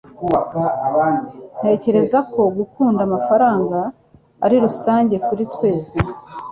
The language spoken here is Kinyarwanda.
Ntekereza ko gukunda amafaranga ari rusange kuri twese.